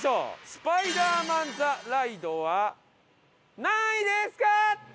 スパイダーマン・ザ・ライドは何位ですか？